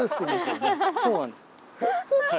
そうなんです。